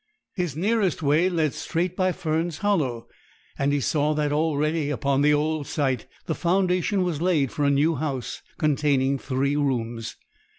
His nearest way led straight by Fern's Hollow, and he saw that already upon the old site the foundation was laid for a new house containing three rooms.